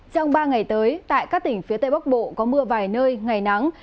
trong ba ngày tới tại các tỉnh phía tây bắc bộ có mưa vài nơi ngày nắng